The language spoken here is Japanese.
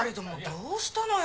どうしたのよ